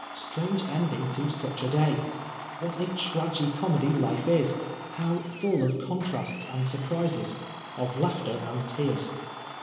Strange ending to such a day I What a tragi comedy life is — how full of contrasts and surprises, of laughter and tears.